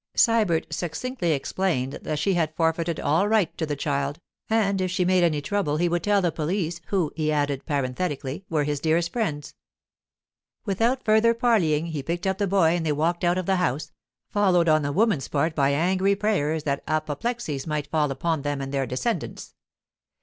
Sybert succinctly explained that she had forfeited all right to the child, and that if she made any trouble he would tell the police, who, he added parenthetically, were his dearest friends. Without further parleying, he picked up the boy and they walked out of the house, followed on the woman's part by angry prayers that 'apoplexies' might fall upon them and their descendants.